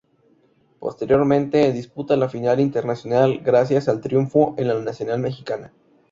Posteriormente, disputa la final internacional gracias al triunfo en la nacional mexicana.